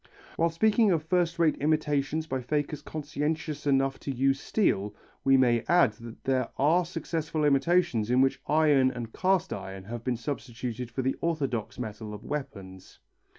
While speaking of first rate imitations by fakers conscientious enough to use steel, we may add that there are successful imitations in which iron and cast iron have been substituted for the orthodox metal for weapons.